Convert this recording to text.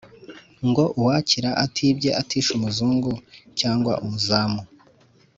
ngo uwakira atibye atishe umuzungu cyangwa umuzamu